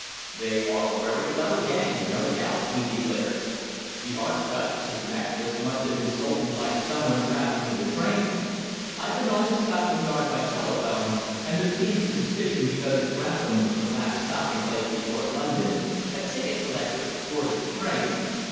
"They are a clever gang, no doubt," he declared. "The Archduchess's necklace must have been stolen by some one travelling in the train. I've been on to Scotland Yard by telephone, and there seems a suspicion because at Grantham the last stopping place before London a ticket collector boarded the train.